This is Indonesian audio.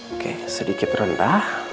oke sedikit rendah